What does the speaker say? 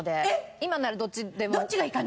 今ならどっちでも。